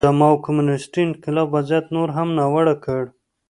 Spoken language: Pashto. د ماوو کمونېستي انقلاب وضعیت نور هم ناوړه کړ.